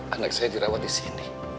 anak saya dirawat disini